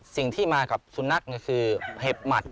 สิ่งที่มากับสุนัขคือเห็บหมัด